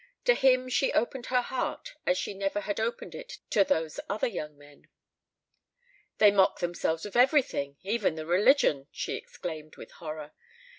To him she opened her heart as she never had opened it to those other young men. "They mock themselves of everything even the religion!" she exclaimed, with horror.